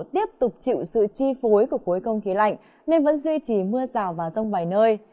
tiếp tục chịu sự chi phối của khối không khí lạnh nên vẫn duy trì mưa rào và rông vài nơi